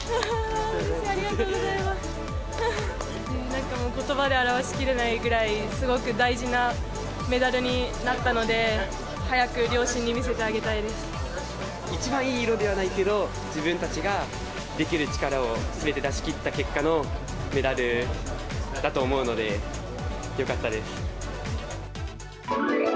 なんかもう、ことばで表しきれないぐらい、すごく大事なメダルになったので、一番いい色ではないけど、自分たちができる力をすべて出しきった結果のメダルだと思うので、よかったです。